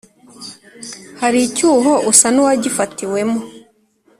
Hari icyuho usa n uwagifatiwemo